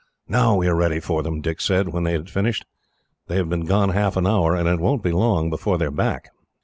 "Now we are ready for them," Dick said, when they had finished. "They have been gone half an hour, and it won't be long before they are back."